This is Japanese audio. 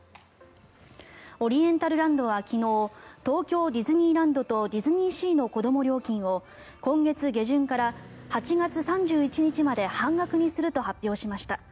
オリエンタルランドは昨日東京ディズニーランドとディズニーシーの子ども料金を今月下旬から８月３１日まで半額にすると発表しました。